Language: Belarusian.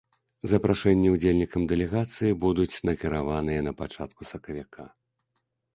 Запрашэнні ўдзельнікам дэлегацыі будуць накіраваныя на пачатку сакавіка.